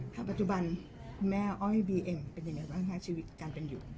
ปัจจุบันคุณแม่อ้อยบีเองเป็นยังไงบ้างคะชีวิตการเป็นอยู่